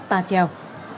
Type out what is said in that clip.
phòng cảnh sát giao thông